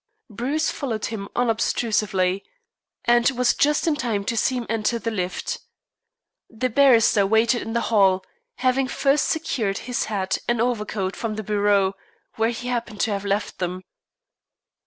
Bruce followed him unobstrusively, and was just in time to see him enter the lift. The barrister waited in the hall, having first secured his hat and overcoat from the bureau, where he happened to have left them.